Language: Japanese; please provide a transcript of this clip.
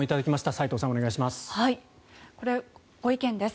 斎藤さん、お願いします。